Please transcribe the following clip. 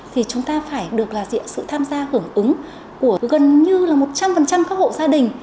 thì chúng ta phải được là diện sự tham gia hưởng ứng của gần như là một trăm linh các hộ gia đình